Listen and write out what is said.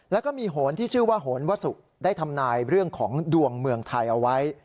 แล้วก็มีโหนที่ชื่อว่าโหนวสุได้ทำนายเรื่องของดวงเมืองไทยเอาไว้